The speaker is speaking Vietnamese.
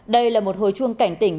đây là một hồi chuông cảnh tỉnh